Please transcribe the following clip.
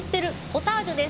ポタージュね